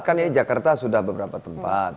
kan ini jakarta sudah beberapa tempat